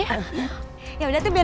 ya udah tuh bapaknya aku mau tidur aja ya